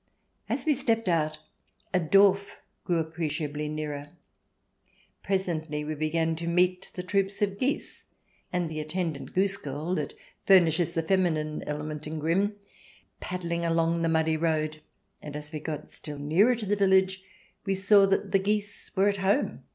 As we stepped out, a Dorf grew appreciably nearer. Presently we began to meet the troops of geese and the attendant goose girl that furnishes the feminine element in Grimm, paddling along the muddy road. And as we got still nearer to the village we saw that the geese were at home.